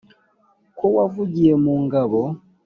ko wavugiye mu ngabo